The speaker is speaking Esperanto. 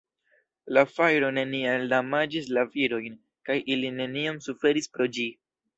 La fajro neniel damaĝis la virojn kaj ili neniom suferis pro ĝi.